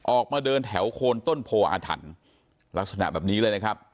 ออกมาเดินแถวโคนต้นโพออาถรรพ์ลักษณะแบบนี้เลยนะครับ